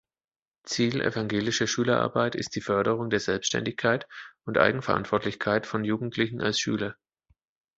Ziel evangelischer Schülerarbeit ist die Förderung der Selbständigkeit und Eigenverantwortlichkeit von Jugendlichen als Schüler.